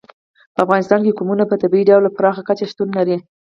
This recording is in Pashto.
په افغانستان کې قومونه په طبیعي ډول او پراخه کچه شتون لري.